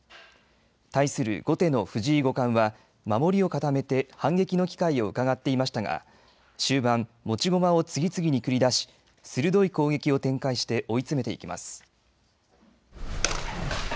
対する後手の藤井五冠は守りを固めて反撃の機会をうかがっていましたが終盤、持ち駒を次々に繰り出し鋭い攻撃を展開して追い詰めていきます。